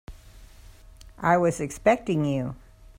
I was expecting you.